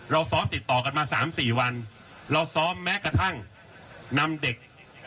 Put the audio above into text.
เราซ้อมติดต่อกันมาสามสี่วันเราซ้อมแม้กระทั่งนำเด็ก